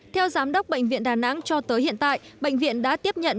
theo giám đốc bệnh viện đà nẵng cho tới hiện tại bệnh viện đã tiếp nhận